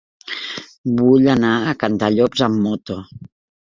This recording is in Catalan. Vull anar a Cantallops amb moto.